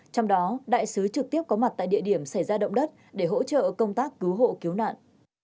trong đó đại sứ trực tiếp có mặt tại địa điểm xảy ra động đất để hỗ trợ công tác cứu hộ cứu nạn